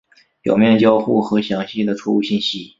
表面交互和详细的错误信息。